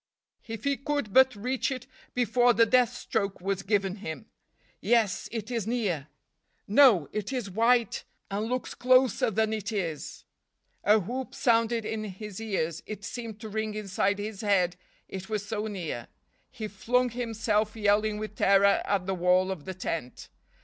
If he could but reach it before the death stroke was given him! Yes, it is near! No, it is white and looks closer than it is. A whoop sounded in his ears; it seemed to ring inside his head it was so near. He flung himself yelling with terror at the wall of the tent.